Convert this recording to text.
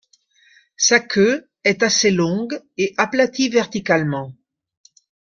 Sa queue est assez longue et aplatie verticalement.